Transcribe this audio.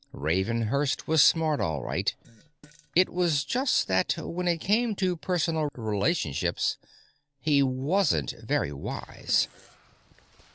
Ravenhurst was smart, all right; it was just that, when it came to personal relationships, he wasn't very wise.